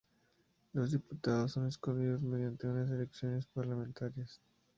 Los diputados son escogidos mediante unas elecciones parlamentarias.